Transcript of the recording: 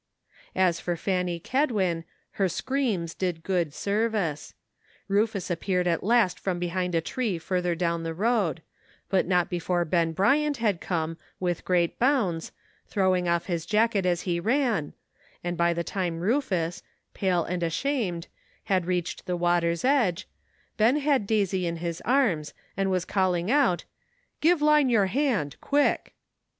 As for Fanny Kedwin, her screams did good service. Rufus appeared at last from behind a tree further down the road, but not before Ben Bryant had come with great bounds, throwing off his jacket as he |:an, and by the time Rufus, pale and ashamed, had reached the water's edge, Ben had Daisy in his arms, and was call ing out, " Give Line your hand, quick."